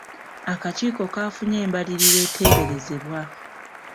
Akakiiko kaafunye embalirira eteeberezebwa.